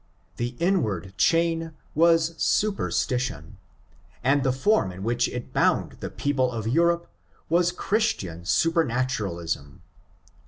The inward chain was superstition, and the form in which it bound the people of Europe was Christian super naturalism.